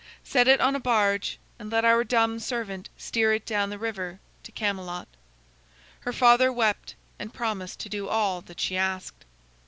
Set it on a barge, and let our dumb servant steer it down the river to Camelot." Her father wept, and promised to do all that she asked.